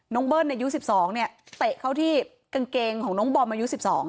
เบิ้ลอายุ๑๒เนี่ยเตะเข้าที่กางเกงของน้องบอมอายุ๑๒